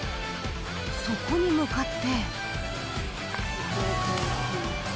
そこに向かって。